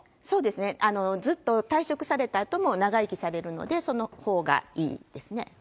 そうですね、ずっと退職されたあとも長生きされるので、そのほうがいいですね。